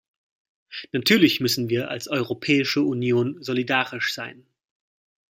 Natürlich müssen wir als Europäische Union solidarisch sein.